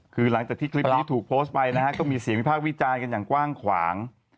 คือหลังจากที่คลิปนี้ถูกโพสต์ไปนะฮะก็มีเสียงวิพากษ์วิจารณ์กันอย่างกว้างขวาง